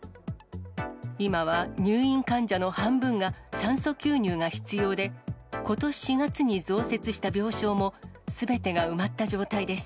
今は入院患者の半分が酸素吸入が必要で、ことし４月に増設した病床もすべてが埋まった状態です。